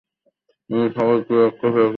তিনি স্বকীয়তার সাক্ষ্য রেখেছেন।